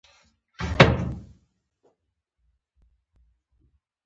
کلیمه او لمونځ چې په عربي لولې.